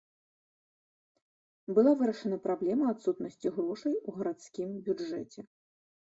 Была вырашана праблема адсутнасці грошай у гарадскім бюджэце.